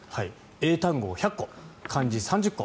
英単語を１００個、漢字３０個